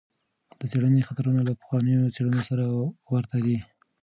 د څېړنې خطرونه له پخوانیو څېړنو سره ورته دي.